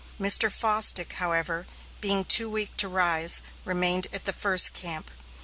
Mr. Fosdick, however, being too weak to rise, remained at the first camp.